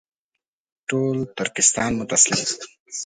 ټول ترکستان مو تسلیم کړ.